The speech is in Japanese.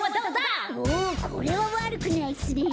おおこれはわるくないっすね。